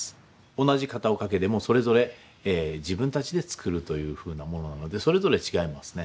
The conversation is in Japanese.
同じ片岡家でもそれぞれ自分たちで作るというふうなものなのでそれぞれ違いますね。